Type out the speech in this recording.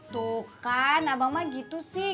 tuh kan abang mah gitu sih